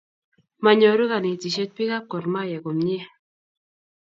Manyoru kanetishet pik ab gormahia komie